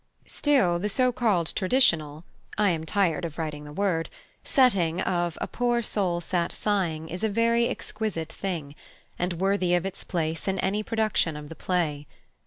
Still, the so called traditional (I am tired of writing the word) setting of "A poor soul sat sighing" is a very exquisite thing, and worthy of its place in any production of the play.